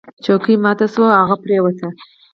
چوکۍ ماته شوه او هغه پریوت.